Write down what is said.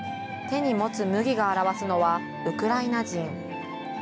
手に持つ麦が表すのはウクライナ人。